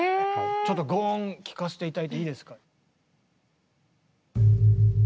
ちょっとゴーン聴かせて頂いていいですか？